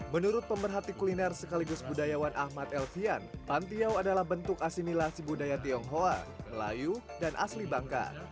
menurut pemerhati kuliner sekaligus budayawan ahmad elvian pantiau adalah bentuk asimilasi budaya tionghoa melayu dan asli bangka